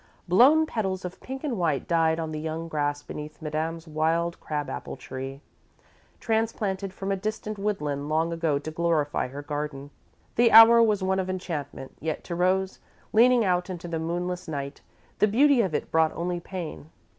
Blown petals of pink and white died on the young grass beneath Madame's wild crab apple tree, transplanted from a distant woodland long ago to glorify her garden. The hour was one of enchantment, yet to Rose, leaning out into the moonless night, the beauty of it brought only pain.